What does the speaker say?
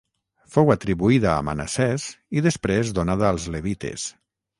Fou atribuïda a Manassès i després donada als levites.